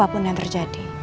gak mungkin yang terjadi